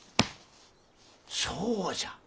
そうじゃ！